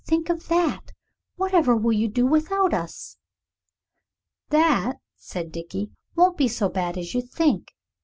Think of that. Whatever will you do without us?" "That," said Dickie, "won't be so bad as you think.